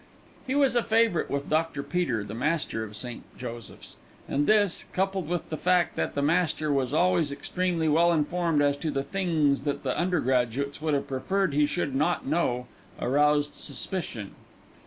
He was a favourite with Dr. Peter, the Master of St. Joseph's, and this, coupled with the fact that the Master was always extremely well informed as to the things that the undergraduates would have preferred he should not know, aroused suspicion.